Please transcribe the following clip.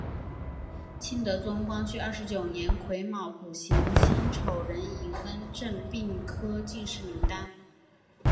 清德宗光绪二十九年癸卯补行辛丑壬寅恩正并科进士名单。